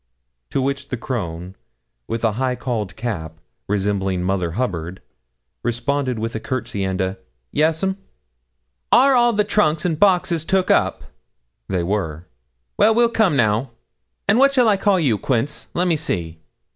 To which the crone, with a high cauled cap, resembling Mother Hubbard, responded with a courtesy and 'Yes, 'm.' 'Are all the trunks and boxes took up?' They were. 'Well, we'll come now; and what shall I call you, Quince? Let me see.'